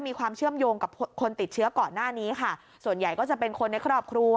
มีความเชื่อมโยงกับคนติดเชื้อก่อนหน้านี้ค่ะส่วนใหญ่ก็จะเป็นคนในครอบครัว